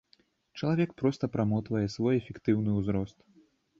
Чалавек проста прамотвае свой эфектыўны ўзрост.